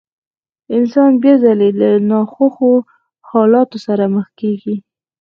انسان بيا ځلې له ناخوښو حالاتو سره مخ کېږي.